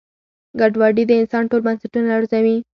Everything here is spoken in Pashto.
ګډوډي د انسان ټول بنسټونه لړزوي.